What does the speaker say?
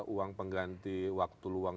uang pengganti waktu luang